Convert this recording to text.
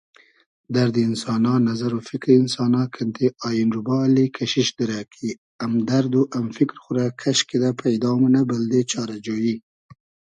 دئردی اینسانا ، نئزئر و فیکری اینسانا کئنتې آین روبا اللی کئشیش دیرۂ کی امدئرد و ام فیکر خو رۂ کئش کیدۂ پݷدا مونۂ بئلدې چارۂ جۉیی